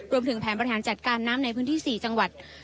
รวมถึงแผนบริหารจัดการน้ำในพื้นที่๔จังหวัด